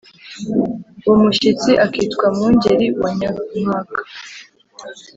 Uwo mushyitsi akitwa Mwungeli wa Nyankaka